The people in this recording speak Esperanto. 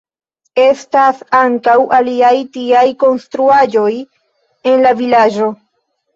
Estas ankaŭ aliaj tiaj konstruaĵoj en la vilaĝo.